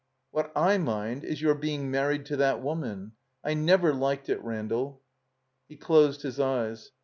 "What I mind is your being married to that woman. I never liked it, Randall." He closed his eyes.